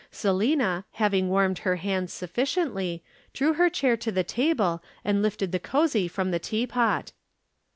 "Selina, having warmed her hands sufficiently, drew her chair to the table and lifted the cosy from the tea pot.